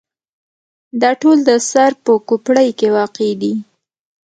دا ټول د سر په کوپړۍ کې واقع دي.